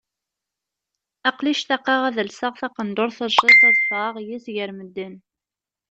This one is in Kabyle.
Aql-i ctaqeɣ ad lseɣ taqendurt tajdidt ad ffɣeɣ yis-s gar medden.